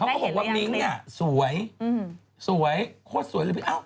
โอ๊ยะโอเฮ้ย